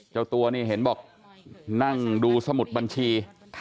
เจ้าตัวนี่เห็นบอกนั่งดูสมุดบัญชี